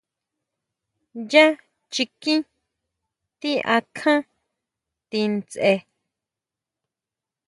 Yá chiquin ti akján ti ndsje.